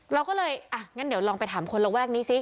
เราก็เลยอ่ะงั้นเดี๋ยวลองไปถามคนระแวกนี้สิ